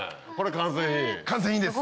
完成品です。